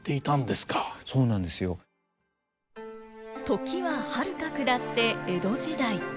時ははるか下って江戸時代。